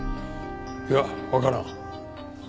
いやわからん。